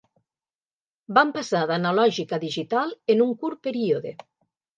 Vam passar d'analògic a digital en un curt període.